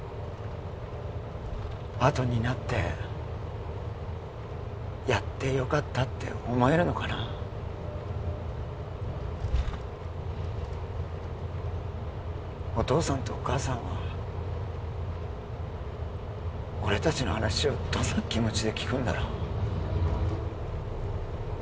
あとになってやってよかったって思えるのかなお父さんとお母さんは俺達の話をどんな気持ちで聞くんだろう俺